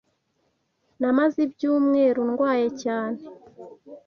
Namaze ibyumweru ndwaye cyane;